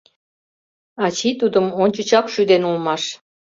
ачий тудым ончычак шӱден улмаш